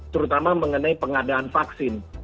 terutama mengenai pengadaan vaksin